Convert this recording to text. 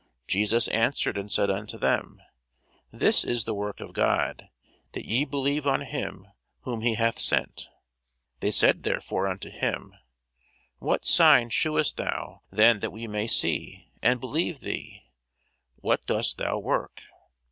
Jesus answered and said unto them, This is the work of God, that ye believe on him whom he hath sent. They said therefore unto him, What sign shewest thou then, that we may see, and believe thee? what dost thou work?